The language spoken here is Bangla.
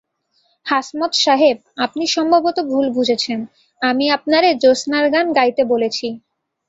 —হাসমত সাহেব, আপনি সম্ভবত ভুল বুঝেছেন, আমি আপনারে জোছনার গান গাইতে বলেছি।